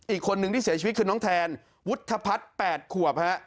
อีกคนนึงที่เสียชีวิตคือน้องแทนวุฒิพัฒน์๘ขวบฮะ